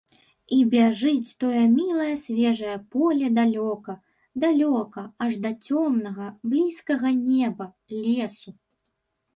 І бяжыць тое мілае свежае поле далёка, далёка, аж да цёмнага, блізкага неба, лесу.